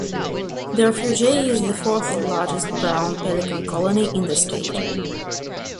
The refuge is the fourth largest brown pelican colony in the state.